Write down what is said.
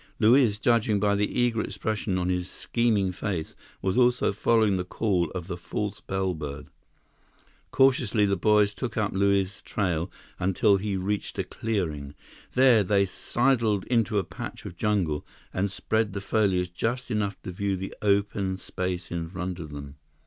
Luiz, judging by the eager expression on his scheming face, was also following the call of the false bellbird. Cautiously, the boys took up Luiz's trail until he reached a clearing. There, they sidled into a patch of jungle and spread the foliage just enough to view the open space in front of them.